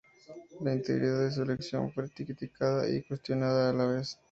La integridad de su elección fue criticada y cuestionada a la vez.